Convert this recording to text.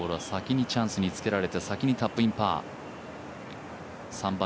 先にチャンスをつけられて、先にタップインバー。